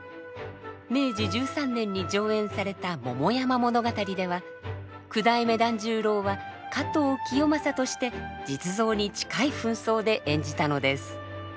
明治１３年に上演された「桃山譚」では九代目團十郎は加藤清正として実像に近い扮装で演じたのです。